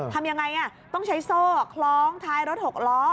ทำยังไงต้องใช้โซ่คล้องท้ายรถ๖ล้อ